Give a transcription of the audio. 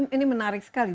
ini menarik sekali